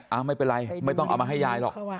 เอาไม่เป็นไรไม่ต้องเอามาให้ยายหรอก